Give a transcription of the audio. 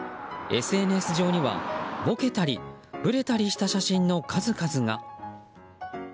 ＳＮＳ上にはぼけたりぶれたりした写真の数々が。